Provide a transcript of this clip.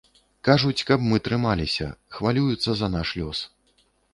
Кажуць, каб мы трымаліся, хвалююцца за наш лёс.